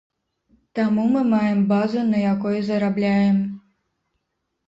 Таму мы маем базу, на якой зарабляем.